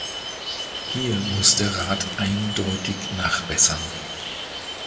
Hier muss der Rat eindeutig nachbessern.